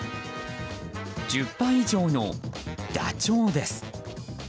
１０羽以上のダチョウです。